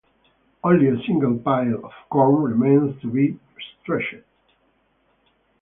Only a single pile of corn remains to be threshed.